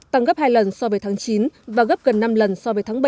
tăng gấp hai lần so với tháng chín và gấp gần năm lần so với tháng bảy